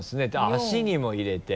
足にも入れて。